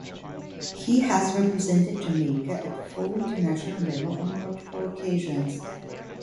He has represented Jamaica at full international level on multiple occasions.